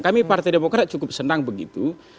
kami partai demokrat cukup senang begitu